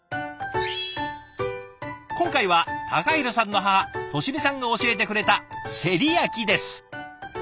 今回は隆弘さんの母俊美さんが教えてくれたせり焼きです。